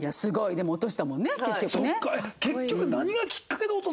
でも落としたもんね結局ね。